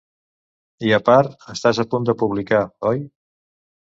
I a part, estàs a punt de publicar, oi?